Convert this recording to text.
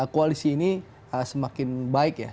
koalisi ini semakin baik